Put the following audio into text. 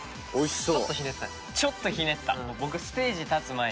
そう。